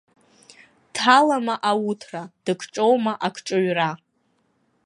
Дҭалама ауҭра, дыкҿоума акҿыҩра.